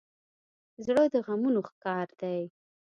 زړه د غمونو ښکار دی.